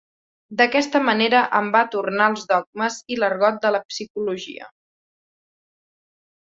D'aquesta manera em va tornar els dogmes i l'argot de la psicologia.